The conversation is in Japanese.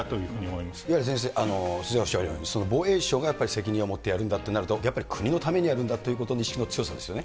いわゆる先生、おっしゃるように防衛省がやっぱり責任を持ってやるんだってなると、やはり国のためにやるっていう意識の強さですよね。